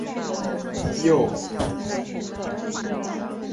又称洛杉矶疑惑。